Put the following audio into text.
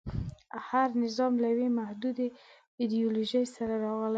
هر نظام له یوې محدودې ایډیالوژۍ سره راغلی.